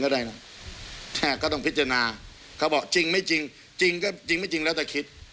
ได้นะก็ต้องพิจารณาเขาบอกจริงไม่จริงจริงก็จริงไม่จริงแล้วแต่คิด